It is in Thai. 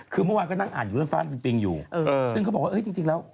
คือเมื่อวานก็นั่งอ่านด้วยฟ่านปิงปิงอยู่